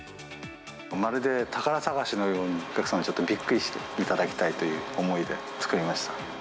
まるで宝探しのように、お客様にちょっとびっくりしていただきたいという思いで作りました。